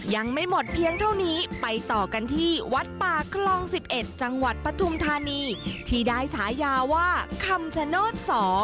ยังไม่หมดเพียงเท่านี้ไปต่อกันที่วัดป่าคลอง๑๑จังหวัดปฐุมธานีที่ได้ฉายาว่าคำชโนธ๒